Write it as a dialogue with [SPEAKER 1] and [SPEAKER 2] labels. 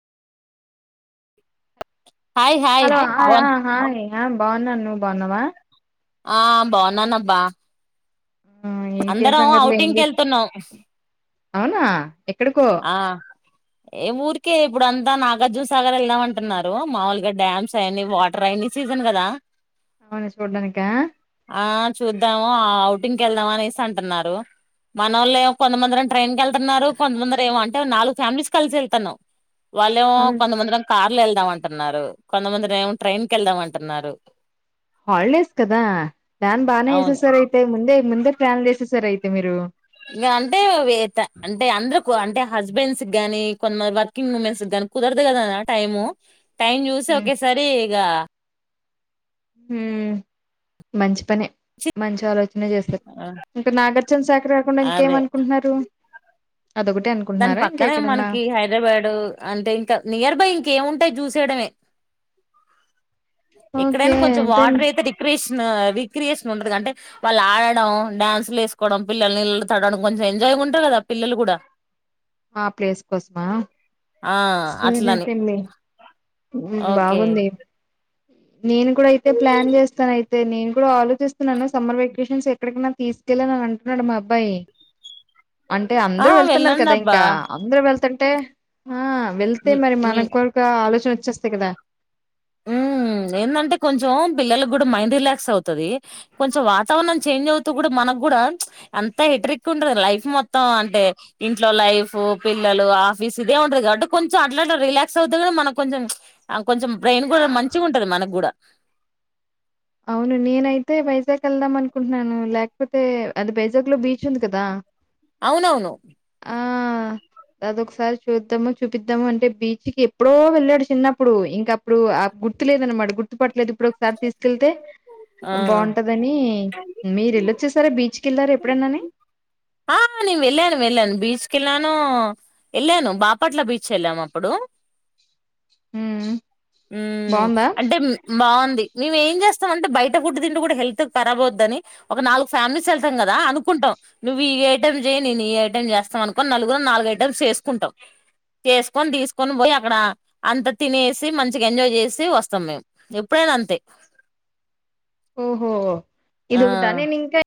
[SPEAKER 1] Hi hi
[SPEAKER 2] hello hi
[SPEAKER 1] బాన్
[SPEAKER 2] హ hi ఆ బోన్నా నువ్వు బోన్నావా?
[SPEAKER 1] ఆ బోన్నానుబ్బా
[SPEAKER 2] ఆ ఇంకేం
[SPEAKER 1] అందరం
[SPEAKER 2] సంగతులు ఏం
[SPEAKER 1] ఔటింగ్కి
[SPEAKER 2] చే
[SPEAKER 1] వెళ్తున్నాం.
[SPEAKER 2] అవునా ఎక్కడికో
[SPEAKER 1] ఆ ఏ ఊరికి? ఇప్పుడు అంతా నాగార్జుసాగర్ వెళ్దాం అంటున్నారు. మాముూలుగా డ్యామ్స్ అయిన్ని వాటర్ అయిన్ని సీజన్ కదా.
[SPEAKER 2] అవన్ని సూడాన్నికా?
[SPEAKER 1] ఆ చూద్దాము ఔటింగ్కి వెళ్దాము అనేసి అంటున్నారు. మనోళ్ళేమో కొంతమందరం ట్రైన్ కెళ్తున్నారు కొంతమందిరు ఏమో అంటే నాలుగు ఫ్యామిలీస్ కలిసి వెళ్తున్నాం. వాళ్ళేమో
[SPEAKER 2] అవును
[SPEAKER 1] కొంతమంది నాక్ లేళ్దాం అంటున్నారు కొంతమంది ఏమో ట్రైన్కి వెళ్దాము అంటున్నారు.
[SPEAKER 2] హల్డేస్ కదా ప్లాన్ బానే
[SPEAKER 1] అవును
[SPEAKER 2] ఏసేసారు ఐతే ముందే ముందే ప్లాన్ చేసేసార్ అయితే మీరు
[SPEAKER 1] ఇగ అంటే అవి అంటే అందరకు అంటె హస్బెండ్స్ కి గానీ కొంతమంది వర్కింగ్ ఉమెన్స్ కి గాన్ కుదరదు కద టైము టైం చూసి
[SPEAKER 2] హ్మ్
[SPEAKER 1] ఒకేసారి ఇగ
[SPEAKER 2] హూమ్ మంచ్ పనె మంచి ఆలోచనే చేసారు ఇంకా నాగార్జన సాగర్ కాకుండా ఇంకేమి
[SPEAKER 1] అదే
[SPEAKER 2] అనుకుంటున్నారు? అదొకటే
[SPEAKER 1] దాని
[SPEAKER 2] అనుకుంటున్నారా ఇంకా
[SPEAKER 1] పక్కనే
[SPEAKER 2] ఎక్కడన్నా
[SPEAKER 1] మనకి హైద్రబాడ్ అంటే ఇంకా నియర్ బై ఇంకేముంటయి చూసి చేయడమే ఎక్కడైనా కొంచెం వాటర్ అయితే విక్రిష్ విక్రియేషన్ ఉండది అంటే వాళ్ళు ఆడడం డాన్స్లు వేసుకోవడం పిల్లలు నీళ్ళలో తడవడం కొంచెం ఎంజాయ్ ఉంటరు కదా పిల్లలు గూడ
[SPEAKER 2] ఆ ప్లేస్ కోస్ మా
[SPEAKER 1] ఆ
[SPEAKER 2] ఉహు
[SPEAKER 1] అట్లని
[SPEAKER 2] పిన్ని ఉమ్
[SPEAKER 1] ఓకే
[SPEAKER 2] బాగుంది నేను కూడా అయితే ప్లాన్ చేస్తాను అయితే నేను కూడా ఆలోచిస్తున్నాను సమ్మర్ వెకేషన్స్ ఎక్కడికైనా తీసుకెళ్ళడా దొ అంటున్నడు మా అబ్బాయి అంటె
[SPEAKER 1] ఆ
[SPEAKER 2] అందరూ వెళ్తున్నారు
[SPEAKER 1] వెళ్ళండి
[SPEAKER 2] కదా
[SPEAKER 1] అబ్బా
[SPEAKER 2] ఇంకా అందరూ వెళ్తుంటే ఆ వెళ్తే
[SPEAKER 1] మీ
[SPEAKER 2] మరి
[SPEAKER 1] మీ
[SPEAKER 2] మన కూడ్క ఆలోచన వచ్చేస్తయి కదా
[SPEAKER 1] ఉమ్ ఏందంటే కొంచెం పిల్లలకు కూడా మైండ్ రిలాక్స్ అవుతుది కొంచెం వాతావరణం చేంజ్ అవుతూ కూడా మనం మనకు కూడా అంత హెట్రిక్ ఉంటది లైఫ్ మొత్తం అంటే ఇంట్లో లైఫ్ పిల్లలు ఆ ఆఫీస్ ఇదే ఉంటది కాబట్టి కొంచెం అట్ల అట్ల రిలాక్స్ అవుతదని మనం కొంచెం చుప్ ఆ కొంచెం బ్రెయిన్ కూడా మంచిగుంటది మనక్ గుడా
[SPEAKER 2] అవును నేనైతే వైజాగ్ కెళ్దాం అనుకుంటున్నాను లేకపోతే అది వైజాగ్ లో బీచ్ ఉంది కదా
[SPEAKER 1] అవునవును
[SPEAKER 2] ఆ అదొకసారి చూద్దాము చూపిద్దాము అంటే బీచ్కి ఎప్పుడో వెళ్ళాడు చిన్నప్పుడు ఇంక అప్పుడు ఆ గుర్తులేదన్నమాట గుర్తుపట్లేదు ఇప్పుడు ఒకసారి తీస్ కెళ్తే
[SPEAKER 1] ఆ!
[SPEAKER 2] బాగుంటదని మీరు ఎళ్ళోచ్చేసారా బీచ్
[SPEAKER 1] ఆ నేను వెళ్లాను వెళ్లాను బీచ్ కెళ్ళాను ఎళ్ళాను బాపట్ల బీచ్ ఎళ్ళాము అప్పుడు
[SPEAKER 2] హ్మ్
[SPEAKER 1] ఉమ్మ్
[SPEAKER 2] బావుందా
[SPEAKER 1] అంటే బాన్ ది. మేము ఏం చేస్తాం అంటె బయట ఫుడ్ తినుడు కూడా హెల్త్ కరాబ్ అవుద్దని ఒక నాలుగు ఫ్యామిలీస్ వెళ్తం కదా అనుకుంటాం నువ్వు ఈ ఐటం చెయ్ నేను ఈ ఐటం చేస్తాం అనుకోని నలుగురు నాలుగు ఐటమ్స్ చేసుకుంటం చేసుకొని తీసుకొని పోయి అక్కడ అంత తినేసి మంచిగా ఎంజాయ్ చేసి వస్తమ్ మేము ఎప్పుడై డు అంతె
[SPEAKER 2] ఓహో ఇది ఉటా
[SPEAKER 1] ఆ
[SPEAKER 2] నేనింకా